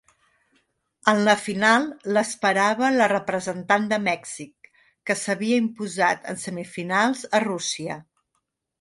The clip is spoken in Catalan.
En la final, l'esperava la representant de Mèxic que s'havia imposat en semifinals a Rússia.